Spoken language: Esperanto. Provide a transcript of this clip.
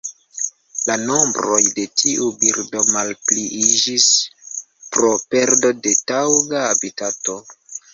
La nombroj de tiu birdo malpliiĝis pro perdo de taŭga habitato.